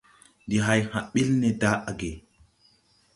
Ndi hay hã bil ne daʼge.